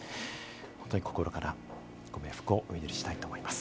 本当に心からご冥福をお祈りしたいと思います。